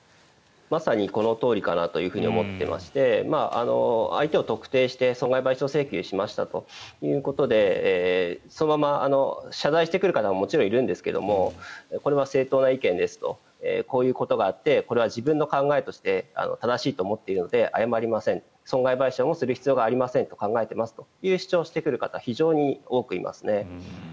まさにこのとおりかなと思っていまして相手を特定して損害賠償請求しましたということでそのまま謝罪してくる方ももちろんいるんですがこれは正当な意見ですとこういうことがあってこれは自分の考えとして正しいと思っているので謝りません損害賠償もする必要がありませんと考えていますという主張をしてくる方が非常に多くいますね。